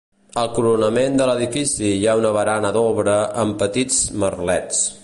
Al coronament de l'edifici hi ha una barana d'obra amb petits merlets.